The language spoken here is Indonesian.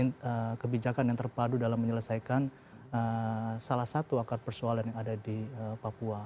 dan juga adalah sebuah kebijakan yang terpadu dalam menyelesaikan salah satu akar persoalan yang ada di papua